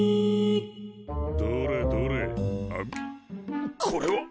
どれどれあむこれは！